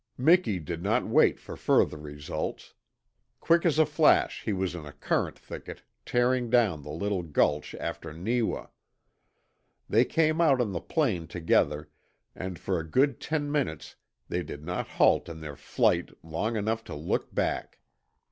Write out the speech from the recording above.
Miki did not wait for further results. Quick as a flash he was in a currant thicket tearing down the little gulch after Neewa. They came out on the plain together, and for a good ten minutes they did not halt in their flight long enough to look back.